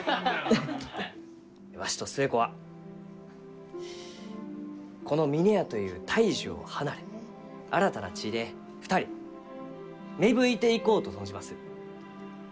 わしと寿恵子はこの峰屋という大樹を離れ新たな地で２人芽吹いていこうと存じます。